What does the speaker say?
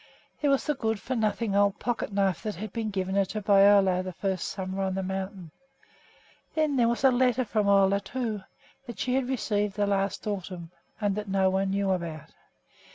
There was a good for nothing old pocketknife that had been given to her by Ole the first summer on the mountain. There was a letter from Ole, too, that she had received the last autumn, and that no one knew about.